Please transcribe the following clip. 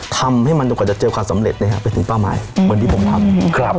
ทำให้มันดีกว่าจะเจอความสำเร็จไปถึงเป้าหมายเหมือนที่ผมทำ